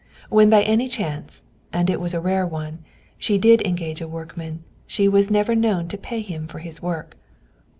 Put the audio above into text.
When by any chance and it was a rare one she did engage a workman, she was never known to pay him for his work.